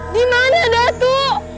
di mana datuk